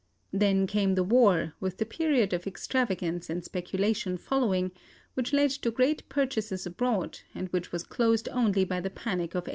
Then came the war, with the period of extravagance and speculation following, which led to great purchases abroad, and which was closed only by the panic of 1873.